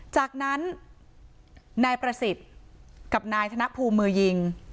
จากนั้นนายประสิทธิ์กับนายธนภูมิมือยิง